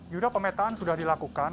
yudha pemetaan sudah dilakukan